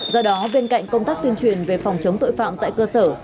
do đó bên cạnh công tác tuyên truyền về phòng chống tội phạm tại cơ sở